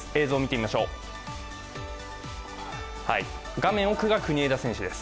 画面奥が国枝選手です。